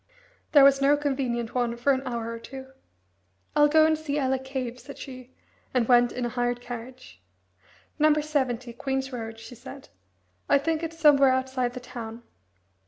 There was no convenient one for an hour or two. "I'll go and see Ella Cave," said she, and went in a hired carriage. "No. 70, Queen's Road," she said. "I think it's somewhere outside the town."